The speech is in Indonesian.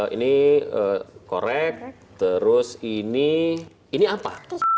ini korek terus ini apa